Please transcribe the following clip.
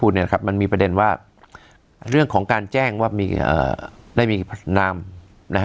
พูดนะครับมันมีประเด็นว่าเรื่องของการแจ้งว่าได้มี